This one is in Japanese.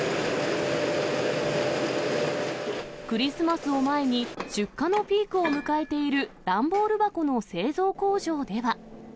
クリスマスを前に、出荷のピークを迎えている段ボール箱の製造工場では。